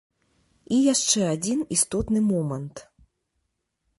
І яшчэ адзін істотны момант.